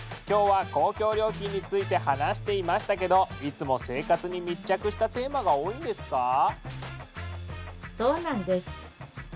今日は公共料金について話していましたけどいつも生活に密着したテーマが多いんですか？